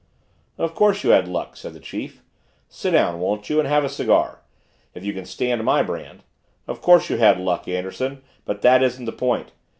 "Of course you had luck," said the chief. "Sit down, won't you, and have a cigar if you can stand my brand. Of course you had luck, Anderson, but that isn't the point.